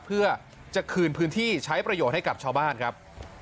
เพื่อจะคืนพื้นที่ใช้ประโยชน์ให้กับชาวบ้านครับ